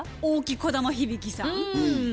大木こだまひびきさん。